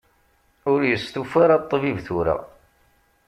Ur yestufa ara ṭṭbib tura.